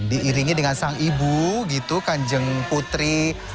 diiringi dengan sang ibu gitu kanjeng putri